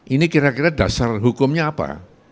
ini kira kira dasar hukumnya apa